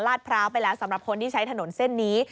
พร้าวไปแล้วสำหรับคนที่ใช้ถนนเส้นนี้